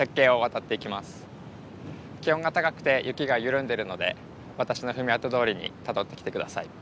気温が高くて雪が緩んでるので私の踏み跡どおりにたどってきて下さい。